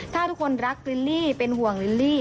ถ้าทุกคนรักลิลลี่เป็นห่วงลิลลี่